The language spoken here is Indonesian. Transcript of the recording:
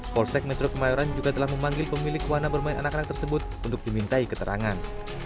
polsek metro kemayoran juga telah memanggil pemilik wahana bermain anak anak tersebut untuk dimintai keterangan